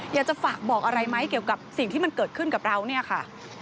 อยากจะฝากบอกอะไรไหมเกี่ยวกับสิ่งที่มันเกิดขึ้นกับเราเนี่ยค่ะ